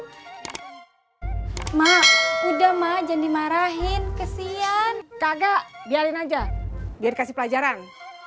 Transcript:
hai tamah udah majan dimarahin kesian kagak biarin aja biar kasih pelajaran